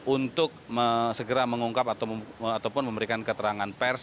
untuk segera mengungkap ataupun memberikan keterangan pers